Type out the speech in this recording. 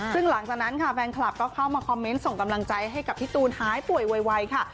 ซึ่งหลังจากนั้นค่ะแฟนคลับก็เข้ามาคอมเมนต์ส่งกำลังใจให้กับพี่ตูนหายป่วยไวค่ะ